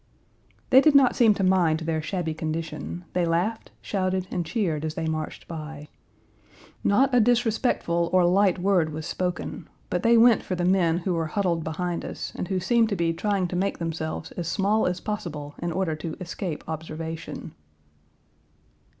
They did not seem to mind their shabby condition; they laughed, shouted, and cheered as they marched by. Not a disrespectful or light word was spoken, but they went for the men who were huddled behind us, and who seemed to be trying to make themselves as small as possible in order to escape observation.